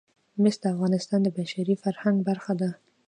مس د افغانستان د بشري فرهنګ برخه ده.